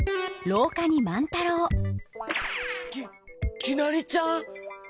ききなりちゃん？